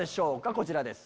こちらです。